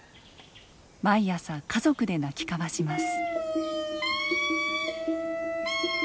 毎朝家族で鳴き交わします。